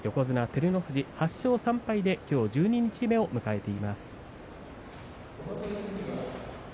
照ノ富士は８勝３敗で十二日目を迎えています。